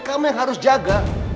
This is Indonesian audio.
kamu yang harus jaga